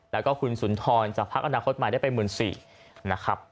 แล้วก็คุณสุนทรจากพักอนาคตใหม่ได้ไป๑๔๐๐นะครับ